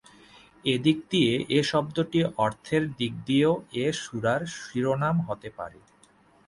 এ দিক দিয়ে এ শব্দটি অর্থের দিক দিয়েও এ সূরার শিরোনাম হতে পারে।